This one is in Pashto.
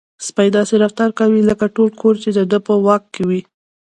سپی داسې رفتار کاوه لکه ټول کور چې د ده په واک کې وي.